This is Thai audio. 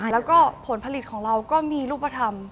แล้วก็ผลผลิตของเราก็มีรูปธรรม